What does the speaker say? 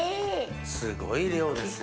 すごい量ですよ。